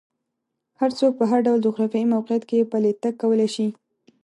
هر څوک په هر ډول جغرافیایي موقعیت کې پلی تګ کولی شي.